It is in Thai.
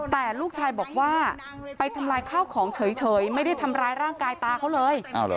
แต่ลูกชายบอกว่าไปทำลายข้าวของเฉยไม่ได้ทำร้ายร่างกายตาเขาเลย